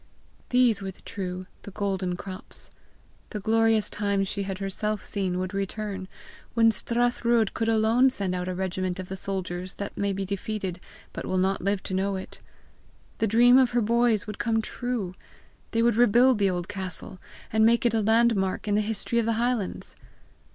These were the true, the golden crops! The glorious time she had herself seen would return, when Strathruadh could alone send out a regiment of the soldiers that may be defeated, but will not live to know it. The dream of her boys would come true! they would rebuild the old castle, and make it a landmark in the history of the highlands!